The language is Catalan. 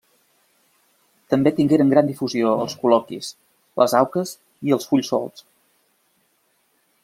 També tingueren gran difusió els col·loquis, les auques i els fulls solts.